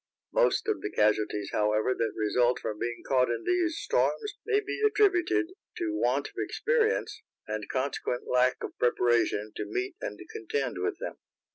Most of the casualties, however, that result from being caught in these storms may be attributed to want of experience, and consequent lack of preparation to meet and contend with them.